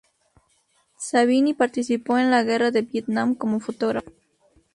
Savini participó en la guerra de Vietnam como fotógrafo.